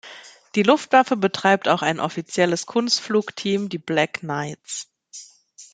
Die Luftwaffe betreibt auch ein offizielles Kunstflugteam, die Black Knights.